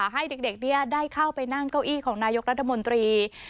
ให้เด็กได้เข้าไปนั่งเก้าอี้ของนายกรัฐมนตรี